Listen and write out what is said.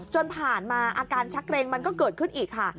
ผ่านมาอาการชักเกรงมันก็เกิดขึ้นอีกค่ะ